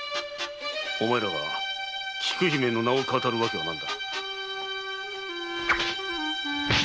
お前らが菊姫の名を騙るわけは何だ。